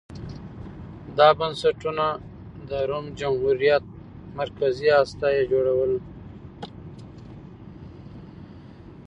دا بنسټونه د روم جمهوریت مرکزي هسته یې جوړوله